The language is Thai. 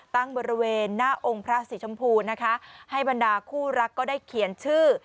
บริเวณหน้าองค์พระสีชมพูนะคะให้บรรดาคู่รักก็ได้เขียนชื่อ